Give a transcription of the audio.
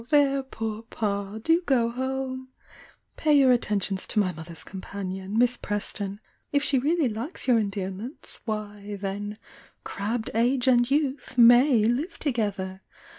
"There, poor Pa, do go home! Pay your attentions to my mothers companion, Miss Preston— if she really hkes your endearments, why, then, 'crabbed age and youth' may live together!